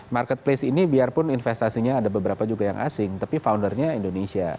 marketplace ini biarpun investasinya ada beberapa juga yang asing tapi foundernya indonesia